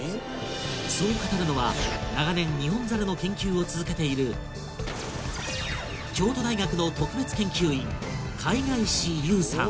そう語るのは長年ニホンザルの研究を続けている京都大学の特別研究員貝ヶ石優さん